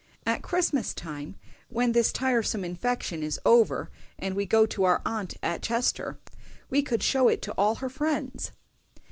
"At Christmas time, when this tiresome infection is over, and we go to our aunt at Chester, we could show it to all her friends."